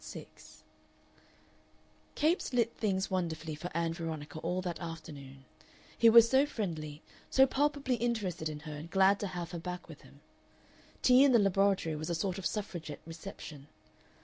Part 6 Capes lit things wonderfully for Ann Veronica all that afternoon, he was so friendly, so palpably interested in her, and glad to have her back with him. Tea in the laboratory was a sort of suffragette reception.